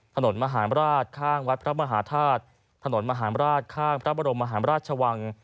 ถนนมหารราชข้างวัดพระมหาธาตุถนนมหารราชข้างพระบรมมหาราชวัง